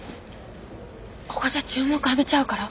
ここじゃ注目浴びちゃうから。